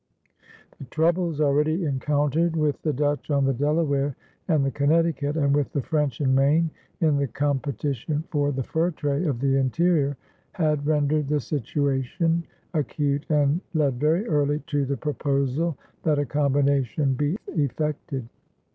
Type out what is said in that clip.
The troubles already encountered with the Dutch on the Delaware and the Connecticut and with the French in Maine, in the competition for the fur trade of the interior, had rendered the situation acute and led, very early, to the proposal that a combination be effected.